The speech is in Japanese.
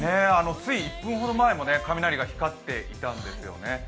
つい１分ほど前も雷が光っていたんですよね。